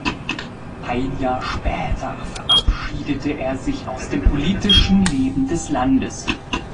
Ein Jahr später verabschiedete er sich aus dem politischen Leben des Landes.